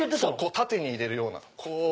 縦に入れるような。